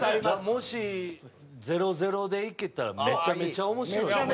もし０−０でいけたらめちゃめちゃ面白いよ。